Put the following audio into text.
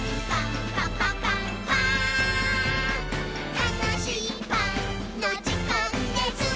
「たのしいパンのじかんです！」